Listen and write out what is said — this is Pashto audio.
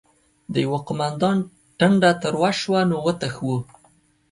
د يوه قوماندان ټنډه تروه شوه: نو وتښتو؟!